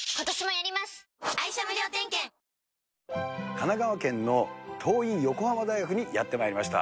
神奈川県の桐蔭横浜大学にやってまいりました。